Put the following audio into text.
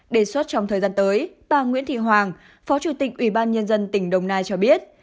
đề xuất trong thời gian tới bà nguyễn thị hoàng phó chủ tịch ủy ban nhân dân tỉnh đồng nai cho biết